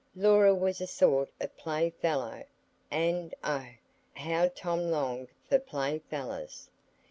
Laura was a sort of playfellow—and oh, how Tom longed for playfellows!